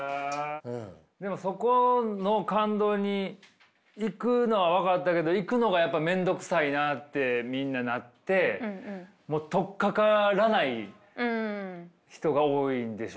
でもそこの感動に行くのは分かったけど行くのがやっぱり面倒くさいなってみんななってもう取っかからない人が多いんでしょうね。